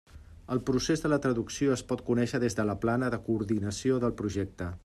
El procés de la traducció es pot conèixer des de la plana de coordinació del projecte.